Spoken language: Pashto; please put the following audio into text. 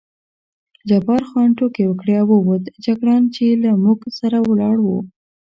جبار خان ټوکې وکړې او ووت، جګړن چې له موږ سره ولاړ و.